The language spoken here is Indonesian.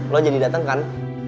lo jadi dateng kan